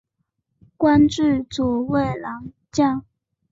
官至左卫郎将。